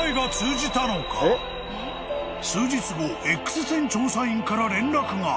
［Ｘ線調査員から連絡が］